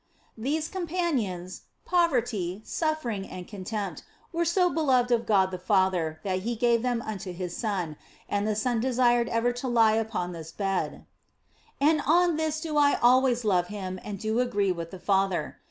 These companions, poverty, suffering, and contempt, were so beloved of God the Father that He gave them unto His Son, and the Son desired ever to lie upon this bed. And on this do I always love Him and do agree with the Father.